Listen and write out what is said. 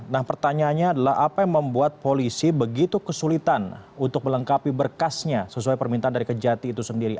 nah pertanyaannya adalah apa yang membuat polisi begitu kesulitan untuk melengkapi berkasnya sesuai permintaan dari kejati itu sendiri